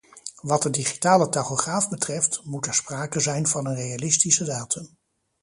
Wat de digitale tachograaf betreft, moet er sprake zijn van een realistische datum.